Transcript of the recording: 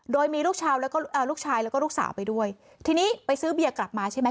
โดยมีลูกชายแล้วก็ลูกสาวไปด้วยทีนี้ไปซื้อเบียกลับมาใช่ไหม